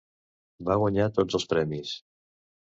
Va guanyar tots els premis.